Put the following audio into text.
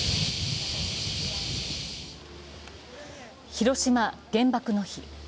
広島・原爆の日。